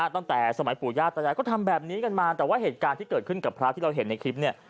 ตั้งแต่สมัยปู่ย่าตายายก็ทำแบบนี้กันมาแต่ว่าเหตุการณ์ที่เกิดขึ้นกับพระที่เราเห็นในคลิปเนี่ย